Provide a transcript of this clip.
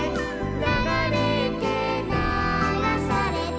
「ながれてながされて」